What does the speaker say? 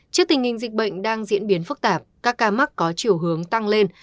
trước tình hình dịch bệnh đang diễn biến phức tạp các ca mắc có chiều hướng tăng lên